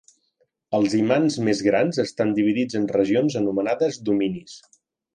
Els imants més grans estan dividits en regions anomenades "dominis".